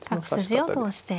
角筋を通して。